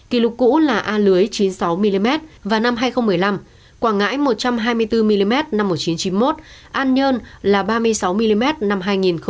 kỷ lục cũ là a lưới chín mươi sáu mm và năm hai nghìn một mươi năm quảng ngãi một trăm hai mươi bốn mm năm một nghìn chín trăm chín mươi một an nhơn là ba mươi sáu mm năm hai nghìn một mươi tám